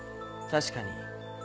確かに。